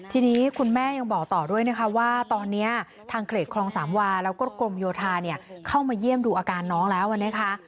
ทีนี้คุณแม่ยังบอกต่อด้วยนะคะว่าตอนนี้ทางเขตคลองสามวาแล้วก็กรมโยธาเนี่ยเข้ามาเยี่ยมดูอาการน้องแล้วนะคะ